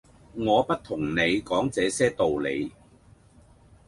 「我不同你講這些道理；